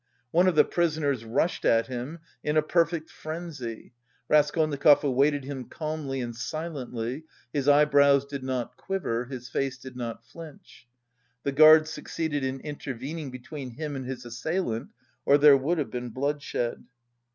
One of the prisoners rushed at him in a perfect frenzy. Raskolnikov awaited him calmly and silently; his eyebrows did not quiver, his face did not flinch. The guard succeeded in intervening between him and his assailant, or there would have been bloodshed.